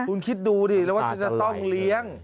คุณคิดดูดิแล้วว่าจะต้องเลี้ยง